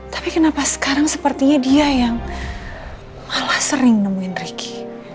tapi kenapa sekarang sepertinya dia yang malah sering nemuin ricky